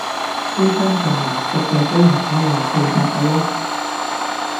呢間咁難食嘅居然可以有四百個 like